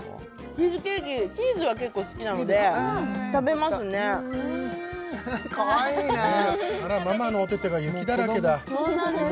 チーズケーキチーズが結構好きなので食べますねかわいいなあらママのおててが雪だらけだそうなんです